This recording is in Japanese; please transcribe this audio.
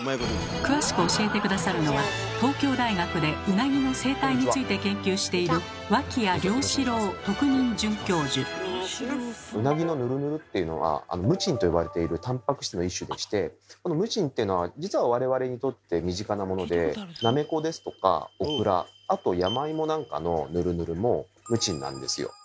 詳しく教えて下さるのは東京大学でウナギの生態について研究しているウナギのヌルヌルっていうのは「ムチン」と呼ばれているたんぱく質の一種でしてムチンというのは実はなめこですとかオクラあと山芋なんかのヌルヌルもムチンなんですよ。